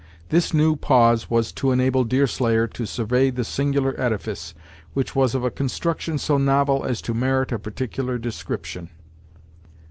This new pause was to enable Deerslayer to survey the singular edifice, which was of a construction so novel as to merit a particular description.